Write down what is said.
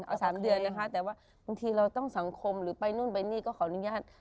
เอา๓เดือนนะคะแต่ว่าบางทีเราต้องสังคมหรือไปนู่นไปนี่ก็ขออนุญาต